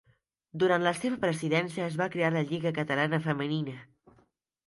Durant la seva presidència es va crear la Lliga catalana femenina.